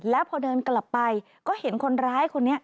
แล้วพอเดินกลับไปก็เห็นคนร้ายคนนี้